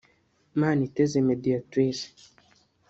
Maniteze Médiatrice